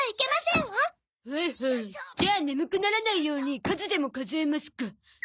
じゃあ眠くならないように数でも数えますか。